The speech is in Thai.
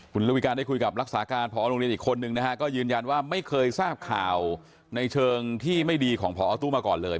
คุณระวิการได้คุยกับรักษาการพอโรงเรียนอีกคนนึงนะฮะก็ยืนยันว่าไม่เคยทราบข่าวในเชิงที่ไม่ดีของพอตู้มาก่อนเลย